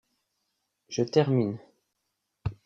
Je termine.